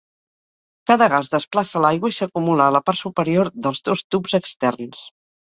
Cada gas desplaça l'aigua i s'acumula a la part superior dels dos tubs externs.